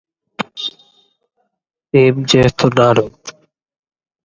Grawitz was born in Charlottenburg, in the western part of Berlin, Germany.